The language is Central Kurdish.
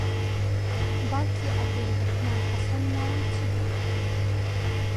باوکی عەبدوڕڕەحمان حەسەن ناوی چ بوو؟